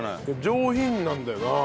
上品なんだよな。